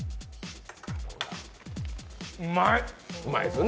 うまい！